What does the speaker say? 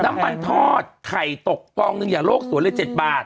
น้ำมันทอดไข่ตกฟองหนึ่งอย่าโลกสวนเลย๗บาท